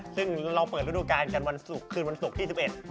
ซึ่งเราเปิดฤดูการกันวันศุกร์คืนวันศุกร์ที่๑๑